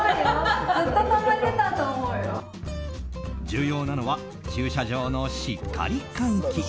重要なのは駐車場のしっかり換気。